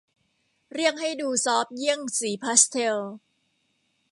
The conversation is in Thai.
เรียกให้ดูซอฟต์เยี่ยงสีพาสเทล